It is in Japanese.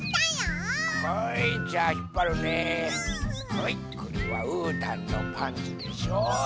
はいこれはうーたんのパンツでしょう。